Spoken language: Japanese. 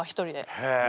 へえ。